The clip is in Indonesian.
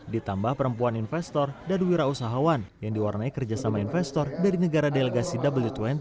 ditambah perempuan investor dan wira usahawan yang diwarnai kerjasama investor dari negara delegasi w dua puluh